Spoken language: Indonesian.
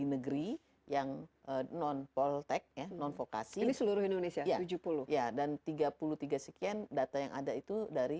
negeri yang non poltek ya non vokasi di seluruh indonesia tujuh puluh ya dan tiga puluh tiga sekian data yang ada itu dari